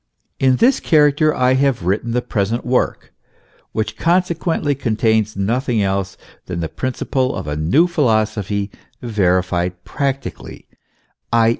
In this character I have written the present work, which consequently contains nothing else than the principle of a new philosophy verified practically, i.